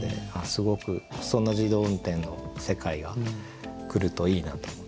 すごくそんな自動運転の世界が来るといいなと思って。